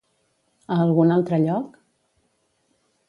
A algun altre lloc?